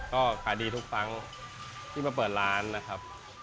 ก็ขายดีทุกครั้งที่มาเปิดร้านนะครับ